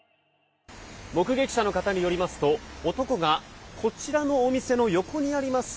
目撃者の方によりますと男が、こちらのお店の横にあります